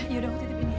yaudah aku titipin dia